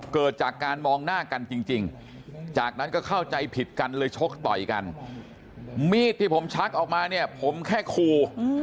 เกิดจากการมองหน้ากันจริงจากนั้นก็เข้าใจผิดกันเลยชกต่อยกันมีดที่ผมชักออกมาเนี่ยผมแค่คู่